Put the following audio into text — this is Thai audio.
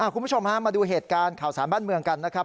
คุณผู้ชมฮะมาดูเหตุการณ์ข่าวสารบ้านเมืองกันนะครับ